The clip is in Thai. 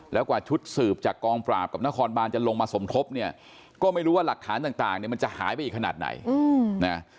แล้วกว่าชุดสืบจากกองปราบกับนครบานจะลงมาสมทบเนี่ยก็ไม่รู้ว่าหลักฐานต่างเนี่ยมันจะหายไปอีกขนาดไหนนะ